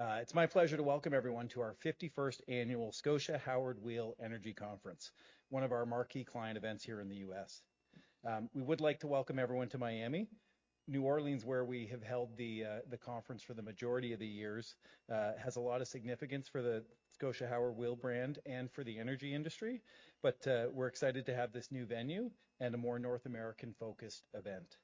It's my pleasure to welcome everyone to our 51st annual Scotia Howard Weil Energy Conference, one of our marquee client events here in the U.S. We would like to welcome everyone to Miami. New Orleans, where we have held the conference for the majority of the years, has a lot of significance for the Scotia Howard Weil brand and for the energy industry. We're excited to have this new venue and a more North American-focused event.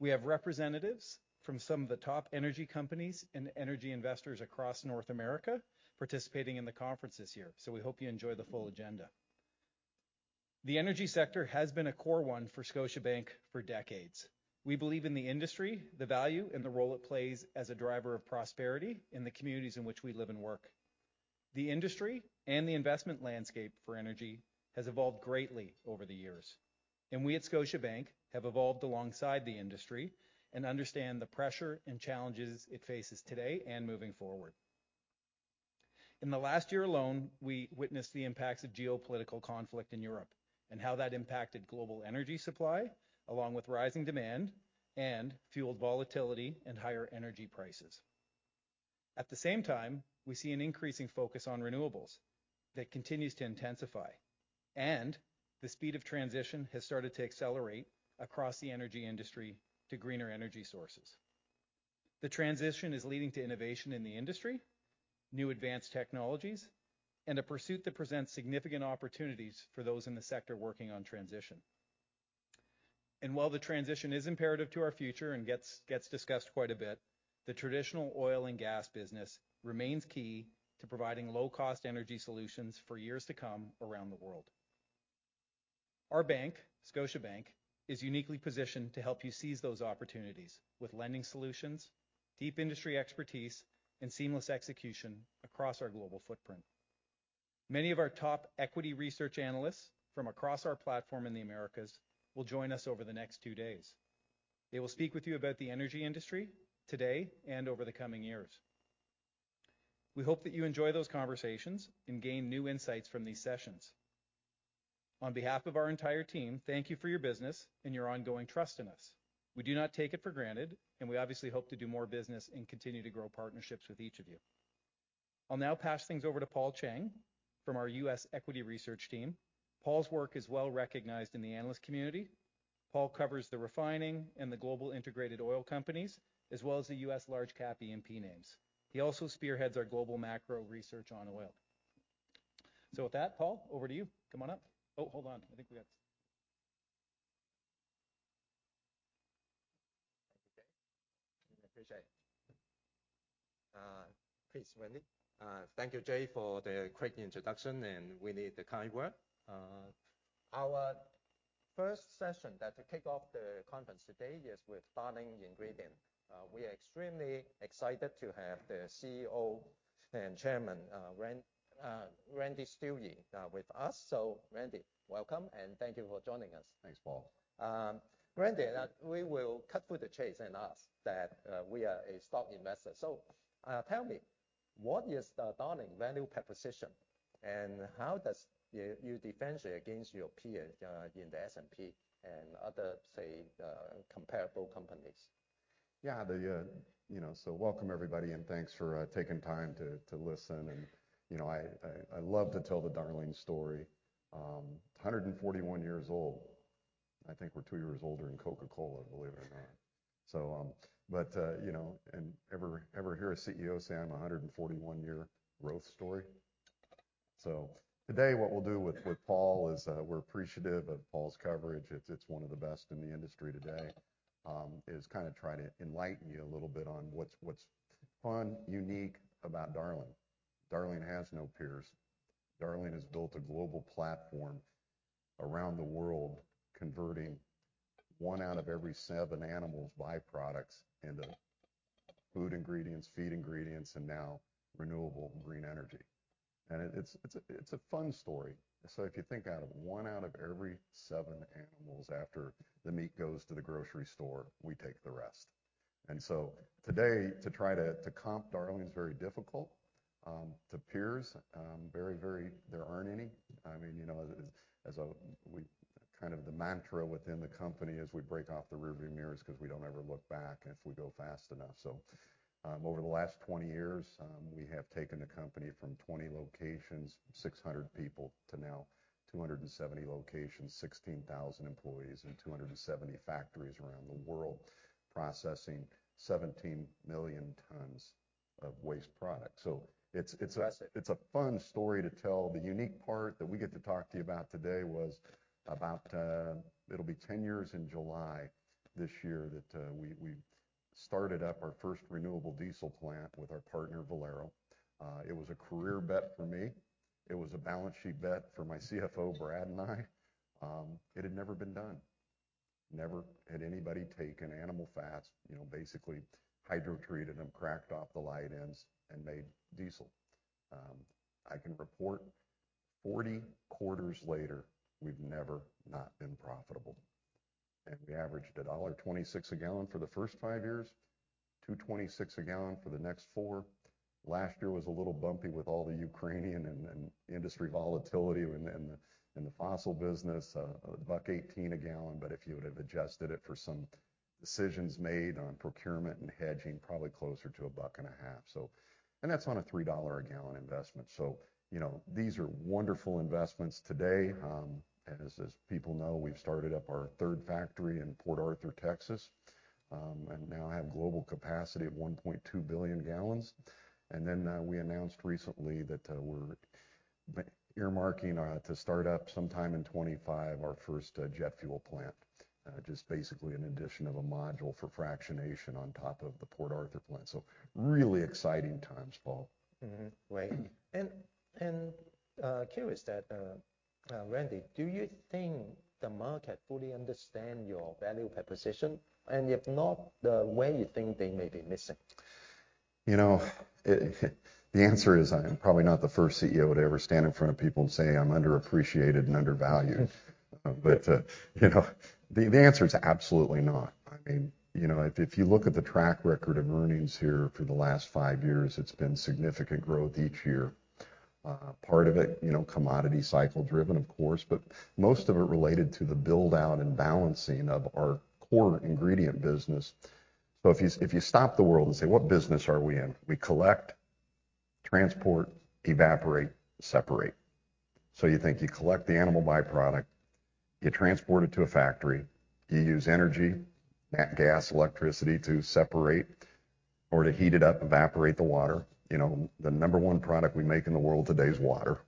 We have representatives from some of the top energy companies and energy investors across North America participating in the conference this year. We hope you enjoy the full agenda. The energy sector has been a core one for Scotiabank for decades. We believe in the industry, the value, and the role it plays as a driver of prosperity in the communities in which we live and work. The industry and the investment landscape for energy has evolved greatly over the years. We at Scotiabank have evolved alongside the industry and understand the pressure and challenges it faces today and moving forward. In the last year alone, we witnessed the impacts of geopolitical conflict in Europe and how that impacted global energy supply, along with rising demand and fueled volatility and higher energy prices. At the same time, we see an increasing focus on renewables that continues to intensify, and the speed of transition has started to accelerate across the energy industry to greener energy sources. The transition is leading to innovation in the industry, new advanced technologies, and a pursuit that presents significant opportunities for those in the sector working on transition. While the transition is imperative to our future and gets discussed quite a bit, the traditional oil and gas business remains key to providing low-cost energy solutions for years to come around the world. Our bank, Scotiabank, is uniquely positioned to help you seize those opportunities with lending solutions, deep industry expertise, and seamless execution across our global footprint. Many of our top equity research analysts from across our platform in the Americas will join us over the next two days. They will speak with you about the energy industry today and over the coming years. We hope that you enjoy those conversations and gain new insights from these sessions. On behalf of our entire team, thank you for your business and your ongoing trust in us. We do not take it for granted. We obviously hope to do more business and continue to grow partnerships with each of you. I'll now pass things over to Paul Cheng from our U.S. equity research team. Paul's work is well-recognized in the analyst community. Paul covers the refining and the global integrated oil companies, as well as the U.S. large cap E&P names. He also spearheads our global macro research on oil. With that, Paul, over to you. Come on up. Hold on. Okay. I appreciate it. Please, Wendy. Thank you, Jay, for the quick introduction, and Wendy, the kind word. Our first session that to kick off the conference today is with Darling Ingredients. We are extremely excited to have the CEO and Chairman, Randall Stuewe, with us. Randy, welcome, and thank you for joining us. Thanks, Paul. Randy, we will cut to the chase and ask that, we are a stock investor. Tell me, what is the Darling value proposition, and how does you differentiate against your peers, in the S&P and other, comparable companies? The, you know, welcome everybody, thanks for taking time to listen. You know, I love to tell the Darling story. 141 years old. I think we're two years older than Coca-Cola, believe it or not. You know, ever hear a CEO say I'm a 141 year growth story? Today what we'll do with Paul is we're appreciative of Paul's coverage. It's one of the best in the industry today. Is kind of try to enlighten you a little bit on what's fun, unique about Darling. Darling has no peers. Darling has built a global platform around the world, converting one out of every seven animals byproducts into food ingredients, feed ingredients, and now renewable and green energy. It, it's a, it's a fun story. If you think out of one out of every seven animals, after the meat goes to the grocery store, we take the rest. Today, to try to comp Darling is very difficult. To peers, very, very, there aren't any. I mean, you know, as a, we kind of the mantra within the company is we break off the rearview mirrors 'cause we don't ever look back if we go fast enough. Over the last 20 years, we have taken the company from 20 locations, 600 people, to now 270 locations, 16,000 employees, and 270 factories around the world, processing 17 million tons of waste product. It's, it's. Impressive... it's a fun story to tell. The unique part that we get to talk to you about today was about, it'll be 10 years in July this year that we started up our first renewable diesel plant with our partner Valero. It was a career bet for me. It was a balance sheet bet for my CFO, Brad, and I. It had never been done. Never had anybody taken animal fats, you know, basically hydrotreated them, cracked off the light ends and made diesel. I can report 40 quarters later, we've never not been profitable. We averaged $1.26 a gallon for the first five years, $2.26 a gallon for the next four. Last year was a little bumpy with all the Ukrainian and industry volatility when, in the fossil business, $1.18 a gallon. If you would've adjusted it for some decisions made on procurement and hedging, probably closer to a buck and a half. That's on a $3 a gallon investment. You know, these are wonderful investments today. As people know, we've started up our third factory in Port Arthur, Texas, and now have global capacity of 1.2 billion gallons. We announced recently that we're earmarking to start up sometime in 2025 our first jet fuel plant. Just basically an addition of a module for fractionation on top of the Port Arthur plant. Really exciting times, Paul. Right. Curious that, Randy, do you think the market fully understand your value proposition? If not, where you think they may be missing? You know, the answer is I'm probably not the first CEO to ever stand in front of people and say I'm underappreciated and undervalued. You know, the answer is absolutely not. I mean, you know, if you look at the track record of earnings here for the last five years, it's been significant growth each year. Part of it, you know, commodity cycle driven, of course, but most of it related to the build-out and balancing of our core ingredient business. If you, if you stop the world and say, what business are we in? We collect, transport, evaporate, separate. You think you collect the animal byproduct, you transport it to a factory, you use energy, natural gas, electricity to separate or to heat it up, evaporate the water. You know, the number 1 product we make in the world today is water.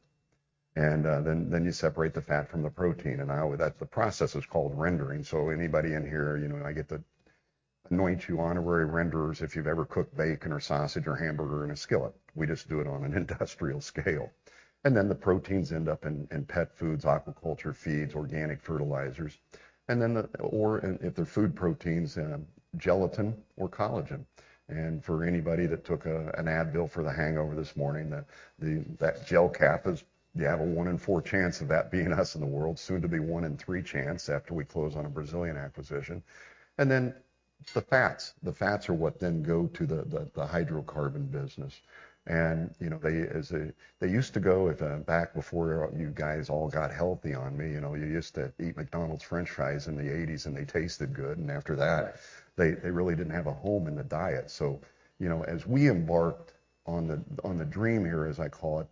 Then you separate the fat from the protein. Now that's the process is called rendering. Anybody in here, you know, and I get to anoint you honorary renderers, if you've ever cooked bacon or sausage or hamburger in a skillet, we just do it on an industrial scale. Then the proteins end up in pet foods, aquaculture feeds, organic fertilizers. Then or if they're food proteins, in gelatin or collagen. For anybody that took an Advil for the hangover this morning, the that gel cap is, you have a one in four chance of that being us in the world, soon to be one in three chance after we close on a Brazilian acquisition. Then the fats. The fats are what then go to the hydrocarbon business. You know, they used to go with back before you guys all got healthy on me, you know. You used to eat McDonald's french fries in the eighties and they tasted good. After that- Right... they really didn't have a home in the diet. You know, as we embarked on the, on the dream here, as I call it,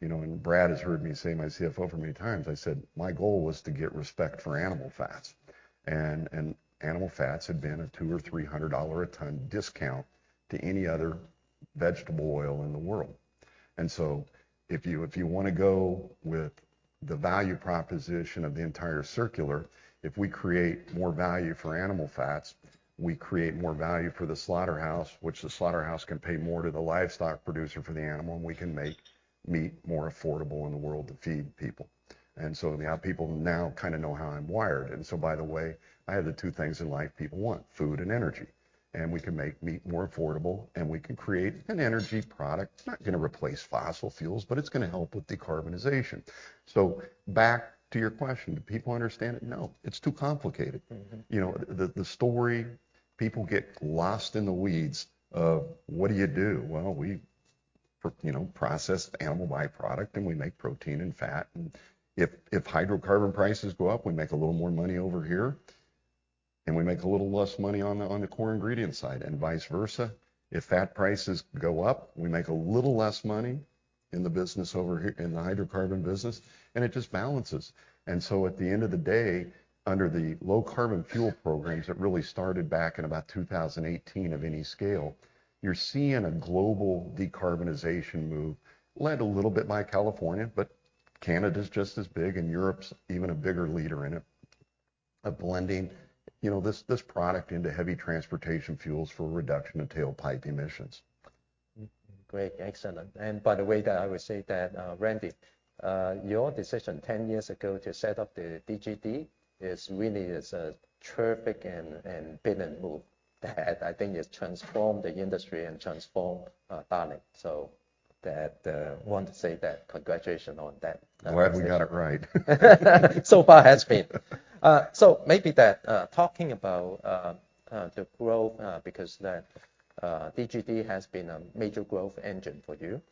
you know, and Brad has heard me say to my CFO for many times, I said my goal was to get respect for animal fats. Animal fats had been a $200 or $300 a ton discount to any other vegetable oil in the world. If you want to go with the value proposition of the entire circular, if we create more value for animal fats, we create more value for the slaughterhouse, which the slaughterhouse can pay more to the livestock producer for the animal, and we can make meat more affordable in the world to feed people. Now people now kind of know how I'm wired. By the way, I have the two things in life people want: food and energy. We can make meat more affordable, and we can create an energy product. It's not gonna replace fossil fuels, but it's gonna help with decarbonization. Back to your question, do people understand it? No. It's too complicated. You know, the story people get lost in the weeds of what do you do? Well, you know, process animal byproduct, and we make protein and fat. If hydrocarbon prices go up, we make a little more money over here, and we make a little less money on the core ingredient side, and vice versa. If fat prices go up, we make a little less money in the business over here, in the hydrocarbon business, and it just balances. At the end of the day, under the Low Carbon Fuel Standard that really started back in about 2018 of any scale, you're seeing a global decarbonization move led a little bit by California, but Canada's just as big, and Europe's even a bigger leader in it, of blending, you know, this product into heavy transportation fuels for reduction of tailpipe emissions. Great. Excellent. By the way, that I would say that, Randy, your decision 10 years ago to set up the DGD is really a terrific and brilliant move that I think has transformed the industry and transformed Darling. That, want to say that. Congratulations on that. Glad we got it right. Far has been. Maybe that talking about the growth because the DGD has been a major growth engine for you.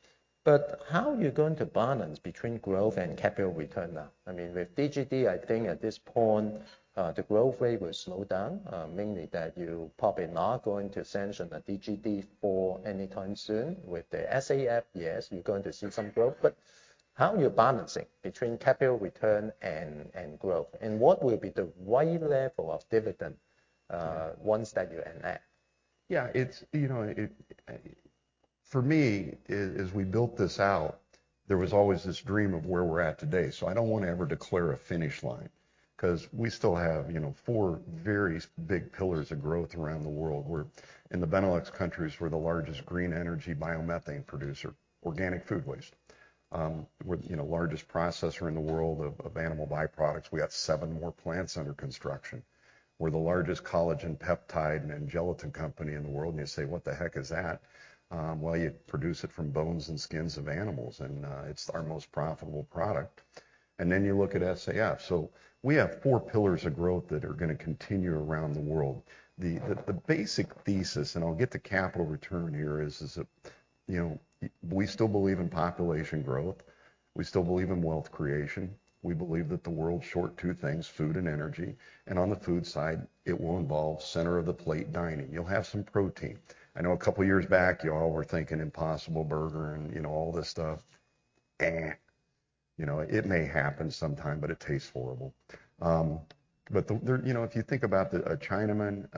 How are you going to balance between growth and capital return now? I mean, with DGD, I think at this point, the growth rate will slow down, mainly that you probably not going to sanction the DGD four anytime soon. With the SAF, yes, you're going to see some growth. How are you balancing between capital return and growth? What will be the right level of dividend once that you enact? Yeah. It's, you know, it, for me, as we built this out, there was always this dream of where we're at today. I don't want to ever declare a finish line, 'cause we still have, you know, four very big pillars of growth around the world. We're in the Benelux countries, we're the largest green energy biomethane producer, organic food waste. We're, you know, largest processor in the world of animal byproducts. We got seven more plants under construction. We're the largest collagen peptide and gelatin company in the world. You say, what the heck is that? Well, you produce it from bones and skins of animals, and it's our most profitable product. Then you look at SAF. We have four pillars of growth that are gonna continue around the world. The basic thesis, I'll get to capital return here, is that. You know, we still believe in population growth. We still believe in wealth creation. We believe that the world's short two things, food and energy. On the food side, it will involve center-of-the-plate dining. You'll have some protein. I know a couple years back, y'all were thinking Impossible Burger and, you know, all this stuff. Eh. You know, it may happen sometime, but it tastes horrible. But there. You know, if you think about the, a Chinaman,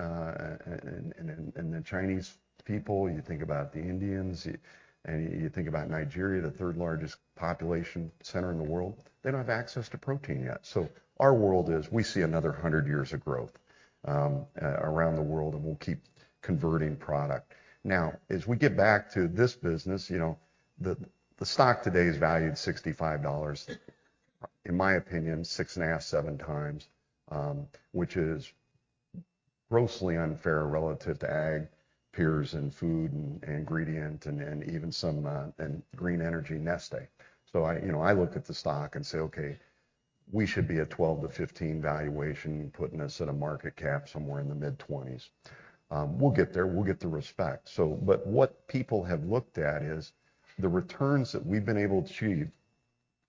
and the Chinese people, you think about the Indians, and you think about Nigeria, the third-largest population center in the world. They don't have access to protein yet. Our world is, we see another 100 years of growth around the world, and we'll keep converting product. Now, as we get back to this business, you know, the stock today is valued $65. In my opinion, 6.5, seven times, which is grossly unfair relative to ag peers in food and ingredient and even some in green energy, Neste. I, you know, I look at the stock and say, "Okay, we should be a 12 to 15 valuation, putting us at a market cap somewhere in the mid-20s." We'll get there. We'll get the respect. But what people have looked at is the returns that we've been able to achieve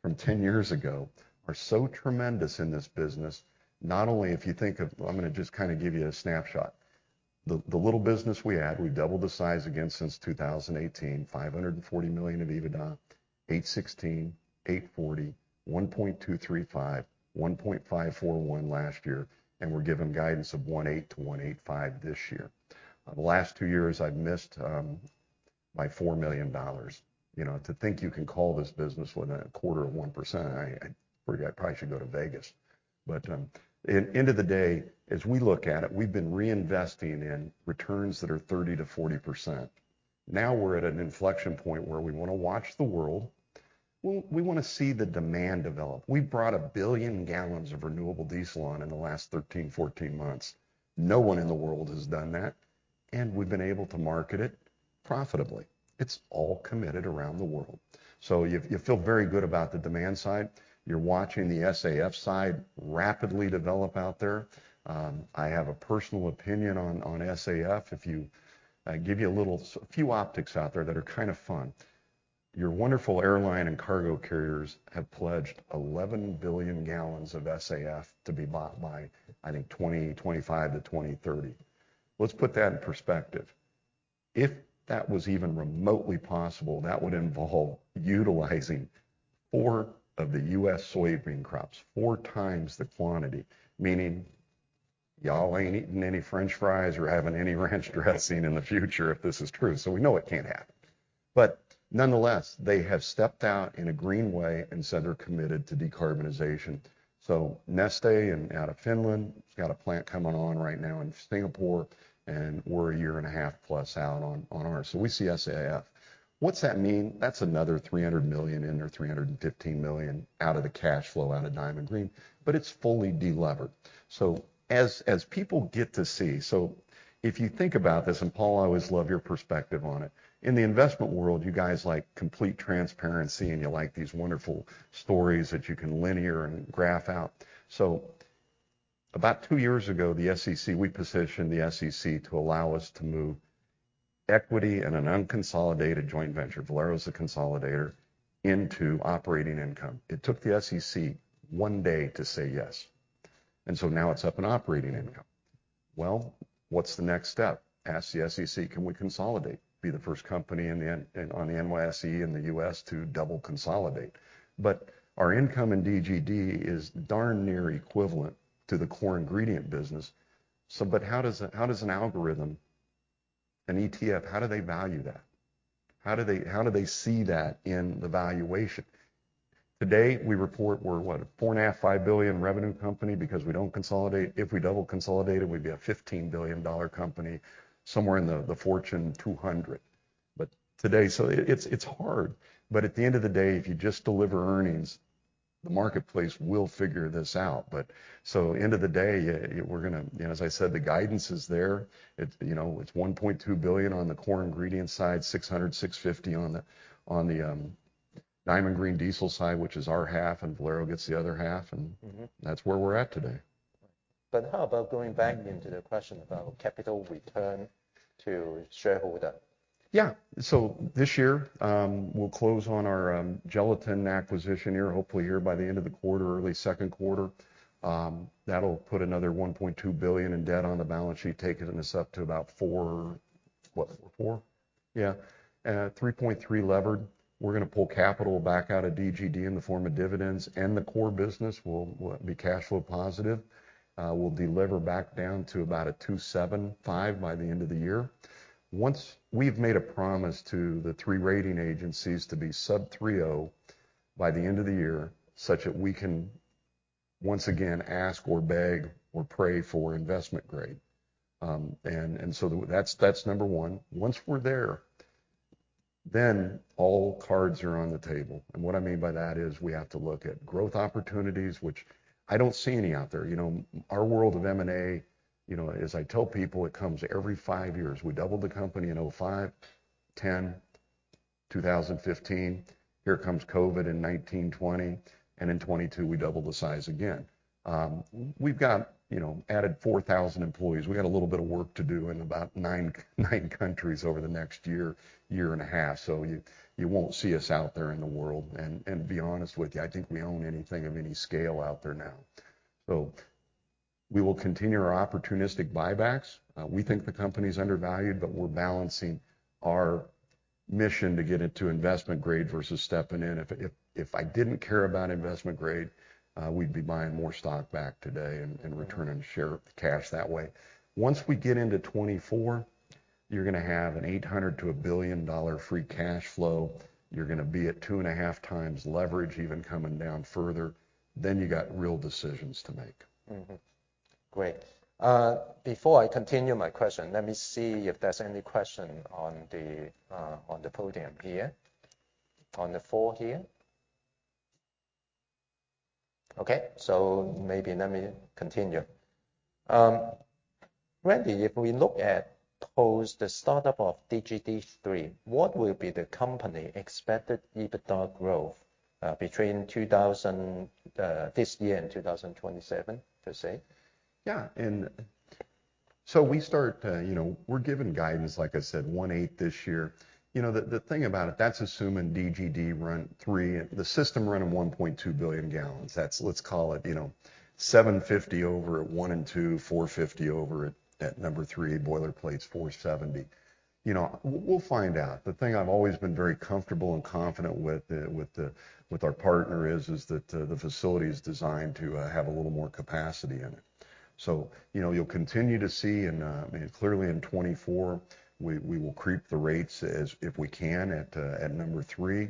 from 10 years ago are so tremendous in this business, not only if you think of... I'm gonna just kinda give you a snapshot. The little business we had, we've doubled the size again since 2018. $540 million of EBITDA, $816 million, $840 million, $1.235 billion, $1.541 billion last year, we're given guidance of $1.8 billion to $1.85 billion this year. The last two years I've missed by $4 million. You know, to think you can call this business within a quarter of 1%, I probably should go to Vegas. End of the day, as we look at it, we've been reinvesting in returns that are 30% to 40%. Now we're at an inflection point where we wanna watch the world. We wanna see the demand develop. We've brought a billion gallons of renewable diesel on in the last 13, 14 months. No one in the world has done that, we've been able to market it profitably. It's all committed around the world. You feel very good about the demand side. You're watching the SAF side rapidly develop out there. I have a personal opinion on SAF. If I give you a few optics out there that are kind of fun. Your wonderful airline and cargo carriers have pledged 11 billion gallons of SAF to be bought by, I think, 2025 to 2030. Let's put that in perspective. If that was even remotely possible, that would involve utilizing four of the U.S. soybean crops, four times the quantity, meaning y'all ain't eating any french fries or having any ranch dressing in the future if this is true. Nonetheless, they have stepped out in a green way and said they're committed to decarbonization. Neste out of Finland has got a plant coming on right now in Singapore, and we're a year and a half plus out on ours. We see SAF. What's that mean? That's another $300 million in or $315 million out of the cash flow out of Diamond Green Diesel, but it's fully de-levered. As people get to see... If you think about this, and Paul, I always love your perspective on it. In the investment world, you guys like complete transparency, and you like these wonderful stories that you can linear and graph out. About two years ago, the SEC, we positioned the SEC to allow us to move equity in an unconsolidated joint venture, Valero's the consolidator, into operating income. It took the SEC one day to say yes. Now it's up in operating income. What's the next step? Ask the SEC, "Can we consolidate?" Be the first company on the NYSE in the U.S. to double consolidate. Our income in DGD is darn near equivalent to the core ingredient business. How does an algorithm, an ETF, how do they value that? How do they see that in the valuation? Today, we report we're what? A $4.5 billion to $5 billion revenue company because we don't consolidate. If we double consolidated, we'd be a $15 billion company, somewhere in the Fortune 200. Today, it's hard. At the end of the day, if you just deliver earnings, the marketplace will figure this out. End of the day, we're gonna, you know, as I said, the guidance is there. It's, you know, it's $1.2 billion on the core ingredient side, $600 million to $650 million on the Diamond Green Diesel side, which is our half, and Valero gets the other half. Mm-hmm. That's where we're at today. How about going back into the question about capital return to shareholder? This year, we'll close on our gelatin acquisition here, hopefully here by the end of the quarter, early second quarter. That'll put another $1.2 billion in debt on the balance sheet, taking us up to about four, what? Four? 3.3 levered. We're gonna pull capital back out of DGD in the form of dividends, and the core business will be cash flow positive. We'll deliver back down to about a 2.75 by the end of the year. Once we've made a promise to the three rating agencies to be sub-3.0 by the end of the year, such that we can once again ask or beg or pray for investment grade. That's number one. Once we're there, all cards are on the table. What I mean by that is we have to look at growth opportunities, which I don't see any out there. Our world of M&A, you know, as I tell people, it comes every five years. We doubled the company in 2005, 2010, 2015. Here comes COVID in 2019, 2020. In 2022, we doubled the size again. We've got, you know, added 4,000 employees. We got a little bit of work to do in about nine countries over the next year and a half. You won't see us out there in the world. To be honest with you, I think we own anything of any scale out there now. We will continue our opportunistic buybacks. We think the company's undervalued, but we're balancing our mission to get it to investment grade versus stepping in. If I didn't care about investment grade, we'd be buying more stock back today and returning share cash that way. Once we get into 2024, you're gonna have an $800 million to $1 billion free cash flow. You're gonna be at 2.5 times leverage even coming down further, then you got real decisions to make. Great. Before I continue my question, let me see if there's any question on the on the podium here. On the floor here. Okay. Maybe let me continue. Randy, if we look at post the startup of DGD 3, what will be the company expected EBITDA growth between 2000 this year and 2027, per se? You know, we're given guidance, like I said, $1.8 billion this year. You know, the thing about it, that's assuming DGD 3. The system run at 1.2 billion gallons. That's, let's call it, you know, 750 million gallons over at one and two, 450 million gallons over at number three. Boilerplate's $470. You know, we'll find out. The thing I've always been very comfortable and confident with our partner is that the facility is designed to have a little more capacity in it. You know, you'll continue to see and, I mean, clearly in 2024, we will creep the rates if we can at number three.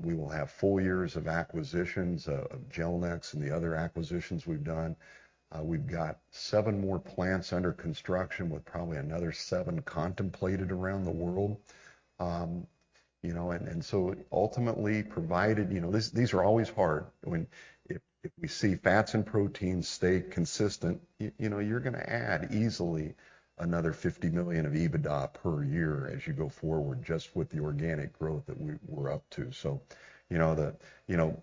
We will have full years of acquisitions of Gelnex and the other acquisitions we've done. we've got seven more plants under construction with probably another seven contemplated around the world. you know, ultimately provided, you know, These are always hard when if we see fats and proteins stay consistent, you know, you're gonna add easily another $50 million of EBITDA per year as you go forward, just with the organic growth that we're up to. you know,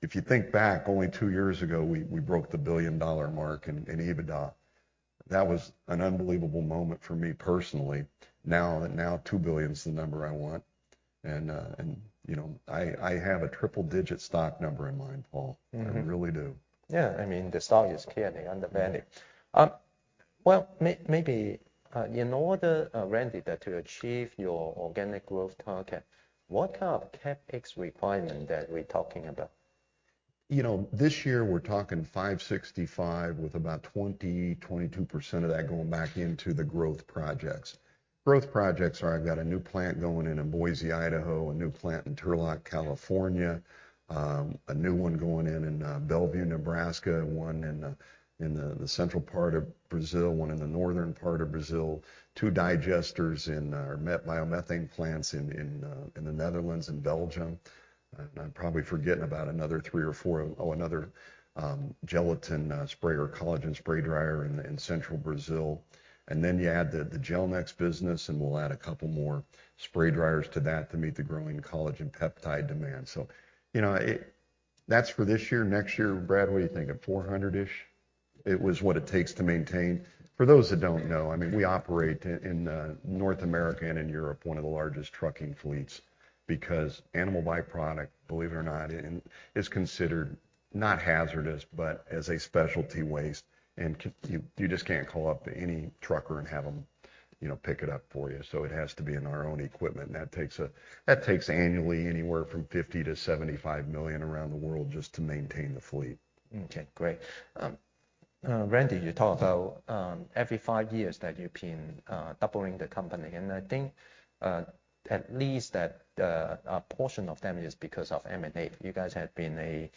if you think back only two years ago, we broke the billion-dollar mark in EBITDA. That was an unbelievable moment for me personally. Now $2 billion is the number I want. you know, I have a triple-digit stock number in mind, Paul. I really do. Yeah. I mean, the stock is clearly undervalued. Well, maybe, in order, Randy, that to achieve your organic growth target, what kind of CapEx requirement are we talking about? You know, this year we're talking $565 with about 20%, 22% of that going back into the growth projects. Growth projects are, I've got a new plant going in in Boise, Idaho, a new plant in Turlock, California, a new one going in in Bellevue, Nebraska, one in the central part of Brazil, one in the northern part of Brazil. Two digesters or biomethane plants in the Netherlands and Belgium. I'm probably forgetting about another three or four. Oh, another gelatin or collagen spray dryer in central Brazil. You add the Gelnex business, and we'll add a couple more spray dryers to that to meet the growing collagen peptide demand. You know, that's for this year. Next year, Brad, what do you think? At $400-ish it was what it takes to maintain. For those that don't know, I mean, we operate in North America and in Europe, one of the largest trucking fleets because animal by-product, believe it or not, it is considered not hazardous, but as a specialty waste. You just can't call up any trucker and have them, you know, pick it up for you. It has to be in our own equipment, and that takes annually anywhere from $50 million to $75 million around the world just to maintain the fleet. Okay, great. Randy, you talked about, every five years that you've been doubling the company, and I think, at least that, a portion of that is because of M&A. You guys have been a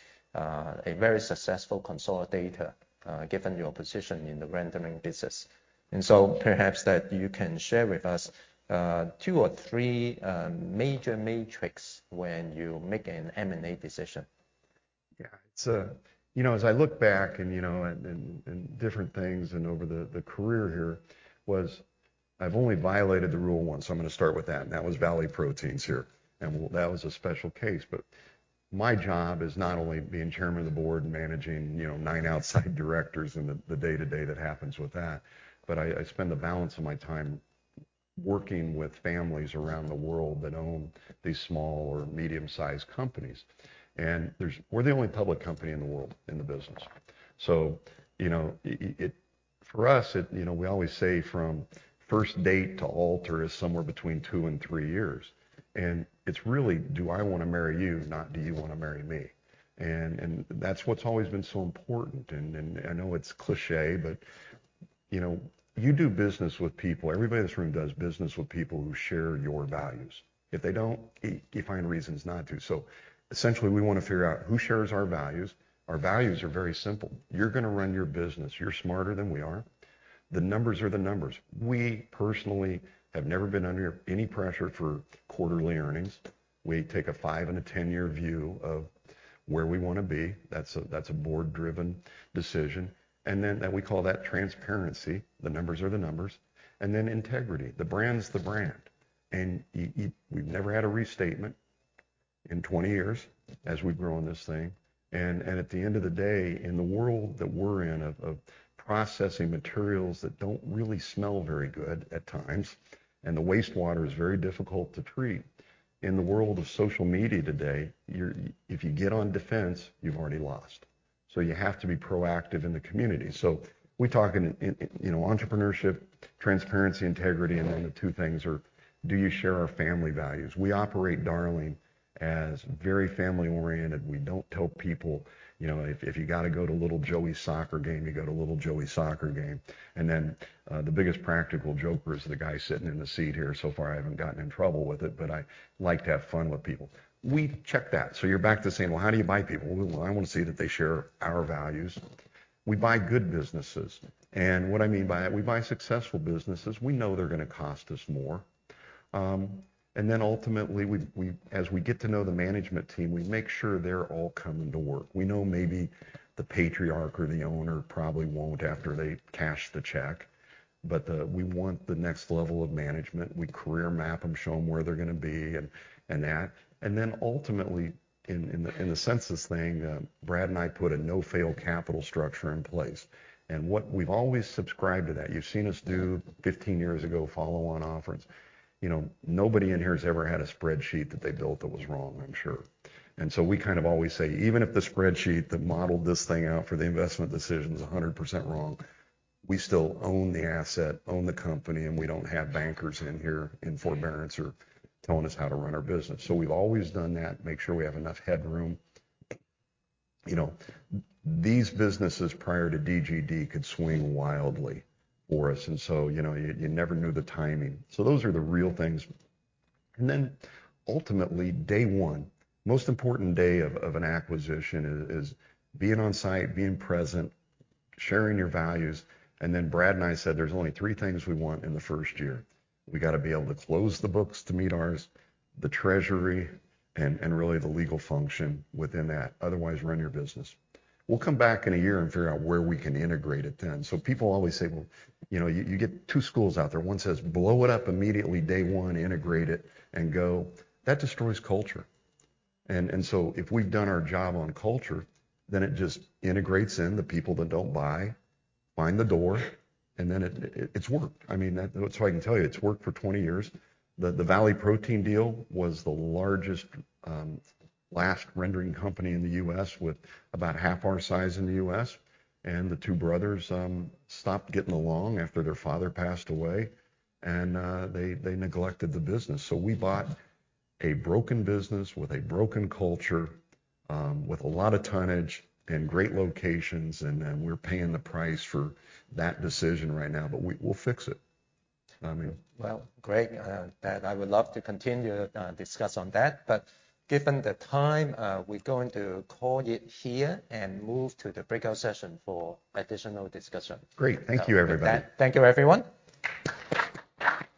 very successful consolidator, given your position in the rendering business. Perhaps that you can share with us, two or three major matrix when you make an M&A decision. Yeah. It's You know, as I look back and, you know, and different things and over the career here was I've only violated the rule once, so I'm gonna start with that. That was Valley Proteins here. That was a special case. My job is not only being chairman of the board and managing, you know, nine outside directors and the day-to-day that happens with that, but I spend the balance of my time working with families around the world that own these small or medium-sized companies. We're the only public company in the world in the business. You know, for us, we always say from first date to altar is somewhere between two and three years. It's really, "Do I wanna marry you?" Not, "Do you wanna marry me?" That's what's always been so important. I know it's cliché, but, you know, you do business with people. Everybody in this room does business with people who share your values. If they don't, you find reasons not to. Essentially we wanna figure out who shares our values. Our values are very simple. You're gonna run your business. You're smarter than we are. The numbers are the numbers. We personally have never been under any pressure for quarterly earnings. We take a five and a 10-year view of where we wanna be, that's a board-driven decision. We call that transparency. The numbers are the numbers. Integrity. The brand's the brand. We've never had a restatement in 20 years as we've grown this thing. At the end of the day, in the world that we're in of processing materials that don't really smell very good at times, and the wastewater is very difficult to treat, in the world of social media today, if you get on defense, you've already lost. You have to be proactive in the community. We talk in, you know, entrepreneurship, transparency, integrity, and then the two things are, do you share our family values? We operate Darling as very family-oriented. We don't tell people, you know, "If you gotta go to little Joey's soccer game, you go to little Joey's soccer game." The biggest practical joker is the guy sitting in the seat here. So far, I haven't gotten in trouble with it, but I like to have fun with people. We check that. You're back to saying, "Well, how do you buy people?" Well, I wanna see that they share our values. We buy good businesses. What I mean by that, we buy successful businesses. We know they're gonna cost us more. Ultimately, as we get to know the management team, we make sure they're all coming to work. We know maybe the patriarch or the owner probably won't after they cash the check. We want the next level of management. We career map them, show them where they're gonna be and that. Ultimately, in the, in the census thing, Brad and I put a no-fail capital structure in place. We've always subscribed to that. You've seen us do 15 years ago follow-on offerings. You know, nobody in here has ever had a spreadsheet that they built that was wrong, I'm sure. We kind of always say, "Even if the spreadsheet that modeled this thing out for the investment decision is 100% wrong, we still own the asset, own the company, and we don't have bankers in here in forbearance or telling us how to run our business." We've always done that, make sure we have enough headroom. You know, these businesses prior to DGD could swing wildly for us. You know, you never knew the timing. Those are the real things. Ultimately, day one, most important day of an acquisition is being on site, being present, sharing your values. Brad and I said there's only three things we want in the first year. We gotta be able to close the books to meet ours, the treasury, and really the legal function within that. Otherwise, run your business. We'll come back in a year and figure out where we can integrate it then. People always say, "Well, you know, you get two schools out there. One says, 'Blow it up immediately day one, integrate it, and go.'" That destroys culture. If we've done our job on culture, then it just integrates in. The people that don't buy, find the door, and then it's worked. I mean, that. I can tell you, it's worked for 20 years. The Valley Proteins deal was the largest last rendering company in the U.S. with about half our size in the U.S., and the two brothers stopped getting along after their father passed away. They neglected the business. We bought a broken business with a broken culture, with a lot of tonnage and great locations, we're paying the price for that decision right now. We'll fix it. I mean. Well, great Randy. I would love to continue discuss on that. Given the time, we're going to call it here and move to the breakout session for additional discussion. Great. Thank you, everybody. With that, thank you, everyone.